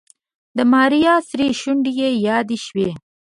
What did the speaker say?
د ماريا سرې شونډې يې يادې شوې.